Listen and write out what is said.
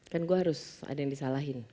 kan gue harus ada yang disalahin